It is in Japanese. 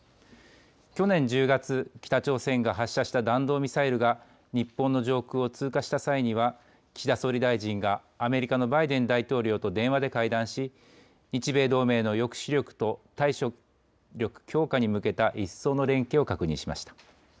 去年１０月、北朝鮮が発射した弾道ミサイルが日本の上空を通過した際には、岸田総理大臣がアメリカのバイデン大統領と電話で会談し、日米同盟の抑止力と、対処力強化に向けた一層の連携を確認しました。